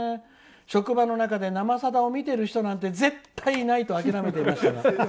「職場の中で「生さだ」を見ている人なんて絶対にいないと諦めていましたが」。